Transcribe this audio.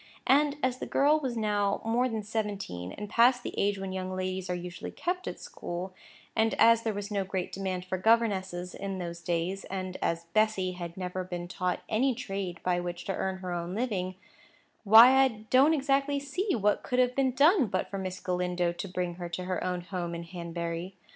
And as the girl was now more than seventeen, and past the age when young ladies are usually kept at school, and as there was no great demand for governesses in those days, and as Bessy had never been taught any trade by which to earn her own living, why I don't exactly see what could have been done but for Miss Galindo to bring her to her own home in Hanbury.